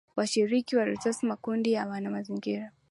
wa shirika la Reuters Makundi ya wana mazingira